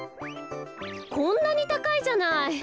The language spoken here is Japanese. こんなにたかいじゃない。